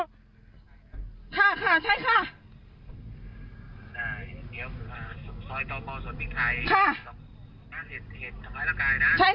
ค่ะค่ะใช่ค่ะ